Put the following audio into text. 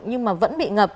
nhưng mà vẫn bị ngập